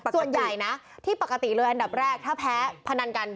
ส่วนใหญ่นะที่ปกติเลยอันดับแรกถ้าแพ้พนันกัน